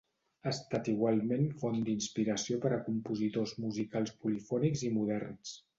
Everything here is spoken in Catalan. Ha estat igualment font d'inspiració per a compositors musicals polifònics i moderns.